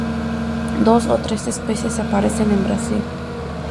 Dos o tres especies aparecen en Brasil.